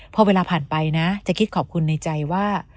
พอเวลาผ่านไปนะจะคิดขอบคุณในใจว่า